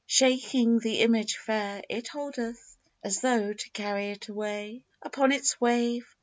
Shaking the image fair it holdeth As tho' to carry it away Upon its wave.